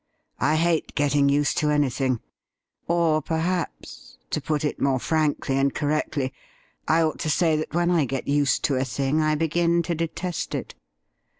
I hate getting used to anything ; or perhaps, to put it more frankly and correctly, I ought to say that when I get used to a thing I begin to detest it.